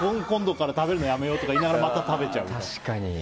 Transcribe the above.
今度から食べるのやめようとか言いながらまた食べちゃう。